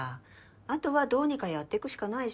あとはどうにかやってくしかないし。